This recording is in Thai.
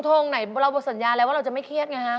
ทงไหนเราหมดสัญญาแล้วว่าเราจะไม่เครียดไงฮะ